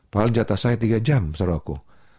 padahal jatah saya tiga jam menurut aku